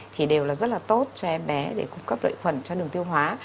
thì đều là rất là tốt cho em bé để cung cấp lợi khuẩn cho đường tiêu hóa